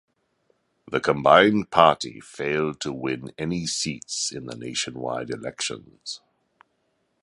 The combined party failed to win any seats in the nationwide elections.